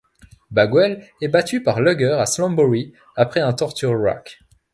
Bagwell est battu par Luger à Slamboree après un Torture Rack.